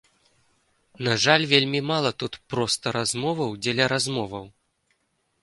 На жаль, вельмі мала тут проста размоваў дзеля размоваў.